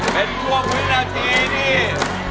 เป็นทั่วพื้นาทีนี่